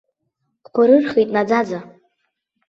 Дԥырырхит наӡаӡа!